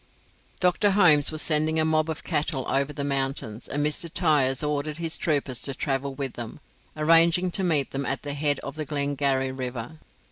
Dr. Holmes was sending a mob of cattle over the mountains, and Mr. Tyers ordered his troopers to travel with them, arranging to meet them at the head of the Glengarry river.